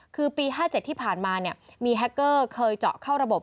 คือปี๕๗ที่ผ่านมามีแฮคเกอร์เคยเจาะเข้าระบบ